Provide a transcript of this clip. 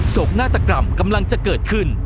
กนาฏกรรมกำลังจะเกิดขึ้น